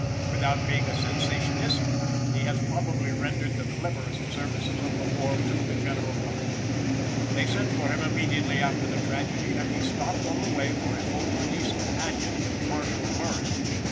Without being a sensationist, he has probably rendered the cleverest services of the war to the general government. They sent for him immediately after the tragedy, and he stopped on the way for his old police companion, Marshal Murray.